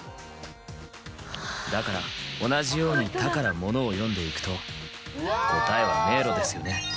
だから同じように「田」から「者」を読んでいくと答えは「メイロ」ですよね。